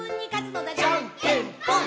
「じゃんけんぽん！！」